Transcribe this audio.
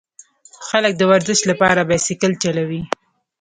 خلک د ورزش لپاره بایسکل چلوي.